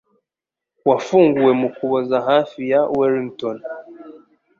wafunguwe mu Kuboza hafi ya Wellington,